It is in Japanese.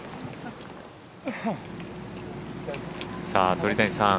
鳥谷さん